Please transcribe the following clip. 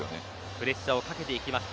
プレッシャーをかけていきました。